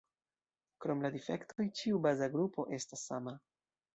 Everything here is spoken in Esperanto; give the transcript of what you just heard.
Krom la difektoj, ĉiu baza grupo estas sama.